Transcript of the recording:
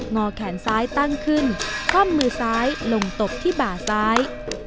งอแขนซ้ายตั้งขึ้นคว่ำมือซ้ายลงตบที่บ่าซ้าย